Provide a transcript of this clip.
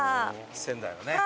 仙台のね。